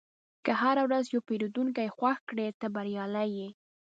که هره ورځ یو پیرودونکی خوښ کړې، ته بریالی یې.